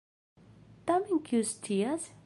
Tamen, kiu scias?...